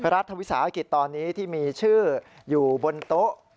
รัฐวิสาหกิจตอนนี้ที่มีชื่ออยู่บนโต๊ะ